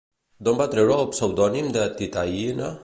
D'on va treure el pseudònim de Titaÿna?